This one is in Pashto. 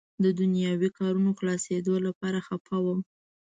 د دنیاوي کارونو خلاصېدو لپاره خفه وم.